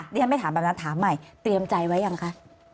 ฉันไม่ถามแบบนั้นถามใหม่เตรียมใจไว้ยังคะ